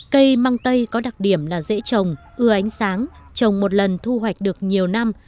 cây mang tây có đặc điểm là dễ trồng ưa ánh sáng trồng một lần thu hoạch được nhiều năm